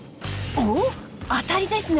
おっあたりですね！